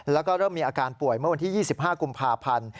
แล้วก็เริ่มมีอาการป่วยเมื่อวันที่๒๕กุมภาพันธ์